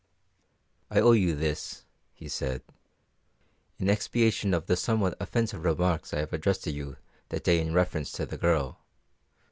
"I owe you this," he said, "in expiation of the somewhat offensive remarks I addressed to you that day in reference to the girl.